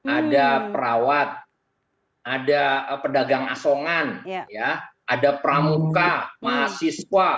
ada perawat ada pedagang asongan ada pramuka mahasiswa